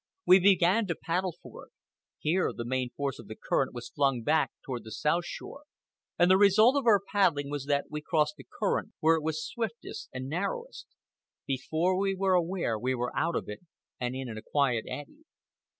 We began to paddle for it. Here the main force of the current was flung back toward the south shore, and the result of our paddling was that we crossed the current where it was swiftest and narrowest. Before we were aware, we were out of it and in a quiet eddy.